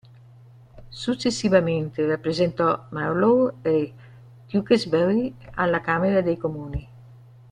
Successivamente rappresentò Marlow e Tewkesbury alla camera dei comuni.